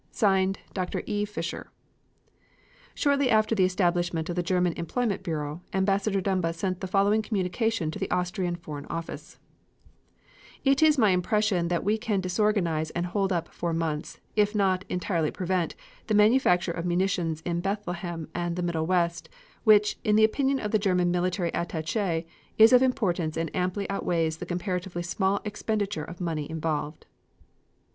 (Signed) DR. E. FISCHER. Shortly after the establishment of the German employment bureau, Ambassador Dumba sent the following communication to the Austrian Foreign Office: It is my impression that we can disorganize and hold up for months, if not entirely prevent, the manufacture of munitions in Bethlehem and the Middle West, which, in the opinion of the German military attache, is of importance and amply outweighs the comparatively small expenditure of money involved.